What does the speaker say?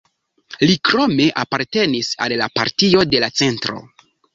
Li krome apartenis al la Partio de la Centro.